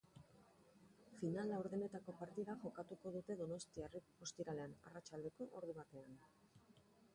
Final-laurdenetako partida jokatuko dute donostiarrek ostiralean, arratsaldeko ordubatean.